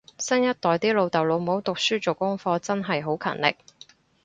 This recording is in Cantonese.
新一代啲老豆老母讀書做功課真係好勤力